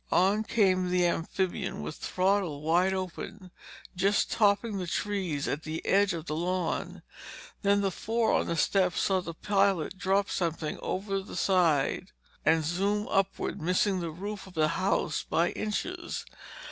On came the amphibian with throttle wide open, just topping the trees at the edge of the lawn. Then the four on the steps saw the pilot drop something overside and zoom upward missing the roof of the house by inches.